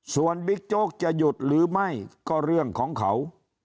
ส่วนบิ๊กโจ๊กจะหยุดหรือไม่ก็เรื่องของเขา